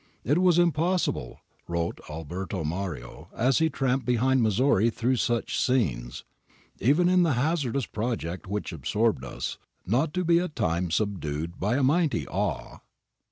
It was impossible,' wrote Alberto Mario as he tramped behind Missori through such scenes, ' even in the hazardous project which absorbed us, not to be at times subdued by a mighty awe.'